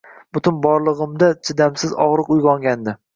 Butun borlig’imda chidamsiz og’riq uyg’otgandi.